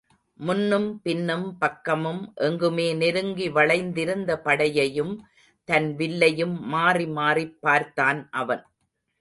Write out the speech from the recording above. முன்னும் பின்னும் பக்கமும் எங்குமே நெருங்கி வளைத்திருந்த படையையும் தன் வில்லையும் மாறிமாறிப் பார்த்தான் அவன்.